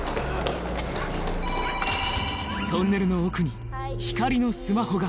トンネルの奥に光莉のスマホが！